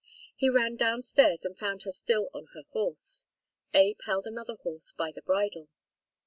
He ran down stairs and found her still on her horse. Abe held another horse by the bridle.